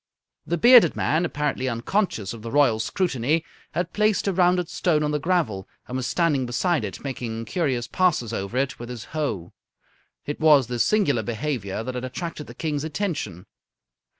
The bearded man, apparently unconscious of the Royal scrutiny, had placed a rounded stone on the gravel, and was standing beside it making curious passes over it with his hoe. It was this singular behaviour that had attracted the King's attention.